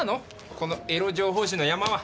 このエロ情報誌の山は？